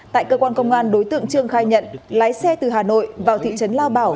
tại cơ quan công an đối tượng trương khai nhận lái xe từ hà nội vào thị trấn lao bảo